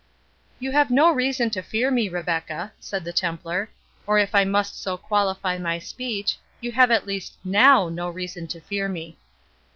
"You have no reason to fear me, Rebecca," said the Templar; "or if I must so qualify my speech, you have at least NOW no reason to fear me."